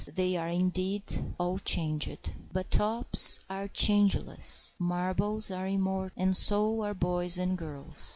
They are, indeed, all changed. But tops are changeless, marbles are immortal, and so are boys and girls.